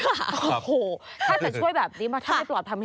โอ้โหถ้าจะช่วยแบบนี้มาถ้าไม่ปลอดภัย